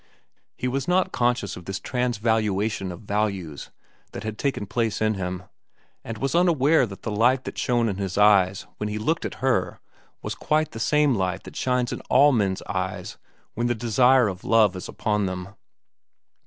He was not conscious of this transvaluation of values that had taken place in him, and was unaware that the light that shone in his eyes when he looked at her was quite the same light that shines in all men's eyes when the desire of love is upon them.